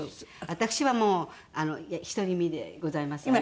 私はもう独り身でございますけど。